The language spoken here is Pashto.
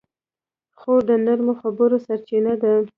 خور د نرمو خبرو سرچینه ده.